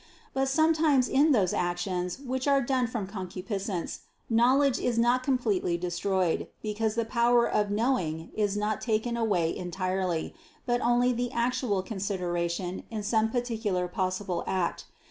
But sometimes in those actions which are done from concupiscence, knowledge is not completely destroyed, because the power of knowing is not taken away entirely, but only the actual consideration in some particular possible act.